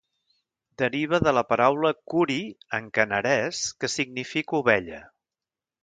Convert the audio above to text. Deriva de la paraula "kuri" en kannarès, que significa "ovella".